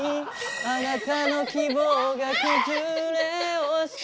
「あなたの希望が崩れ落ちて」